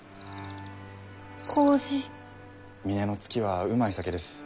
「峰乃月」はうまい酒です。